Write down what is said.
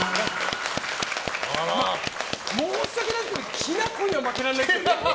申し訳ないですけどきな粉には負けらんないですよ。